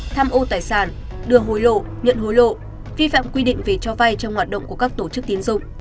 tham ô tài sản đưa hối lộ nhận hối lộ vi phạm quy định về cho vay trong hoạt động của các tổ chức tiến dụng